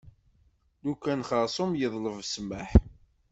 Lukan xersum yeḍleb ssmaḥ.